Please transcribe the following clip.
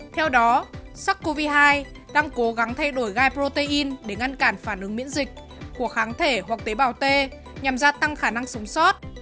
theo đó sars cov hai đang cố gắng thay đổi gai protein để ngăn cản phản ứng miễn dịch của các loại virus